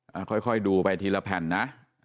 ค่อยดูไปทีละแผ่นนะ